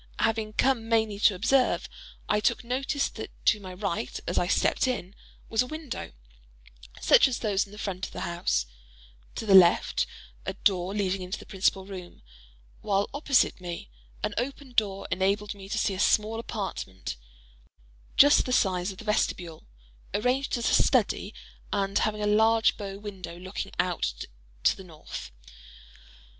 Having come mainly to observe, I took notice that to my right as I stepped in, was a window, such as those in front of the house; to the left, a door leading into the principal room; while, opposite me, an open door enabled me to see a small apartment, just the size of the vestibule, arranged as a study, and having a large bow window looking out to the north.